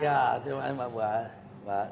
ya terima kasih mbak buah